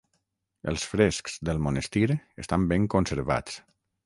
Els frescs del monestir estan ben conservats.